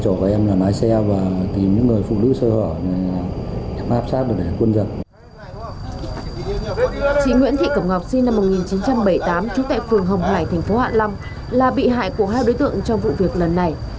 chị nguyễn thị cẩm ngọc sinh năm một nghìn chín trăm bảy mươi tám trung tại phường hồng hoài tp hạ long là bị hại của hai đối tượng trong vụ việc lần này